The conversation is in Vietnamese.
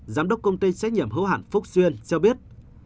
giám đốc công ty trách nhiệm hữu hạn phúc xuyên cho biết